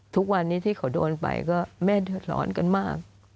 ทุกวันนี้ที่เขาโดนไปก็แม่เดือดร้อนกันมาก